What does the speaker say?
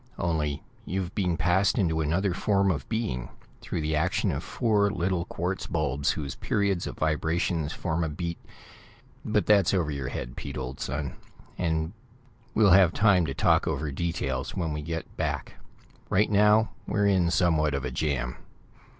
Only you've been passed into another form of being, through the action of four little quartz bulbs whose periods of vibrations form a beat but that's over your head, Pete, old son, and we'll have time to talk over details when we get back. Right now, we're in somewhat of a jam."